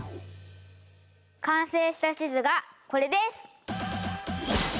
完成した地図がこれです！